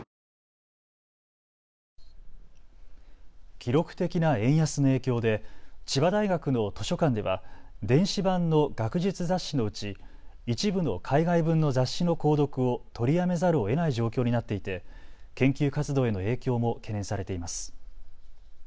記録的な円安の影響で千葉大学の図書館では電子版の学術雑誌のうち一部の海外分の雑誌の購読を取りやめざるをえない状況になっていて研究活動への影響も懸念されています。